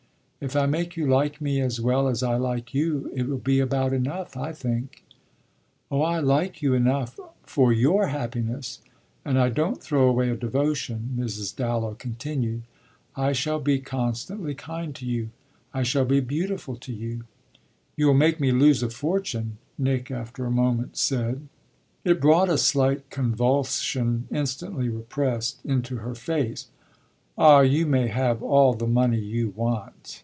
If I make you like me as well as I like you it will be about enough, I think." "Oh I like you enough for your happiness. And I don't throw away a devotion," Mrs. Dallow continued. "I shall be constantly kind to you. I shall be beautiful to you." "You'll make me lose a fortune," Nick after a moment said. It brought a slight convulsion, instantly repressed, into her face. "Ah you may have all the money you want!"